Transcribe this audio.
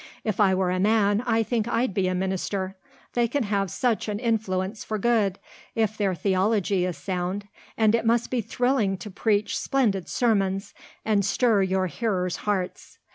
If I were a man I think I'd be a minister. They can have such an influence for good, if their theology is sound; and it must be thrilling to preach splendid sermons and stir your hearers' hearts.